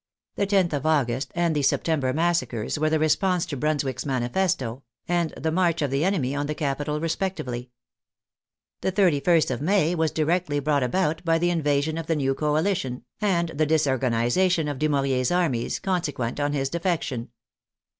The loth of August and the September massacres were the response to Brunswick's manifesto, and the march of the enemy on the capital respectively. The 31st of May was directly brought about by the invasion of the new coali tion and the disorganization of Dumouriez's armies, con sequent on his defection.